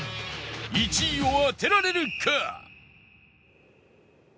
１位を当てられるか？